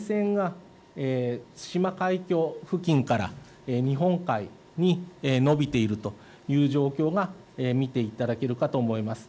前線が対馬海峡付近から日本海に延びているという状況が見ていただけるかと思います。